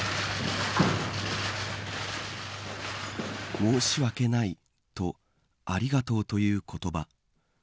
申し訳ないとありがとうという言葉。